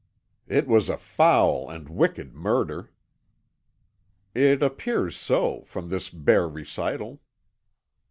"It was a foul and wicked murder." "It appears so, from this bare recital."